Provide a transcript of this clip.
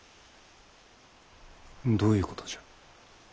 どういうことじゃ。